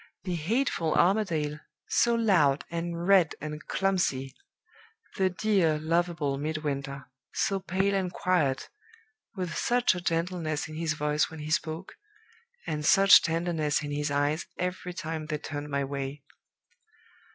The hateful Armadale, so loud and red and clumsy; the dear, lovable Midwinter, so pale and quiet, with such a gentleness in his voice when he spoke, and such tenderness in his eyes every time they turned my way.